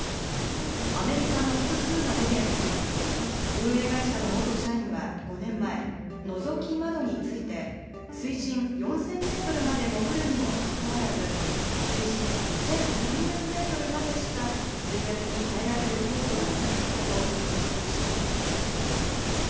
アメリカの複数のメディアによりますと、運営会社の元社員は５年前、この、のぞき窓について水深４０００メートルまで潜るにもかかわらず水深１３００メートルまでしか水圧に耐えられる強度がなかったと指摘しています。